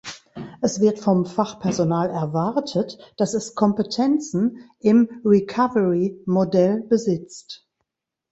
Es wird vom Fachpersonal erwartet, dass es Kompetenzen im Recovery-Modell besitzt.